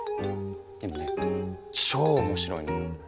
でもね超面白いの。